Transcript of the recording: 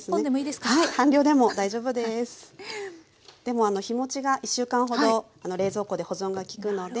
でも日もちが１週間ほど冷蔵庫で保存が利くので。